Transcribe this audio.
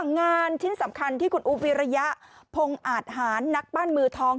งานชิ้นสำคัญที่คุณอุ๊บวิริยะพงอาทหารนักปั้นมือทอง